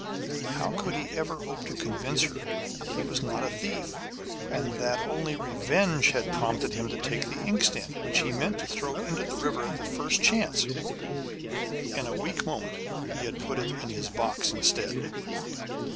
How could he ever hope to convince her that he was not a thief, and that only revenge had prompted him to take the inkstand, which he meant to throw into the river at the first chance? In a weak moment he had put it in his box instead.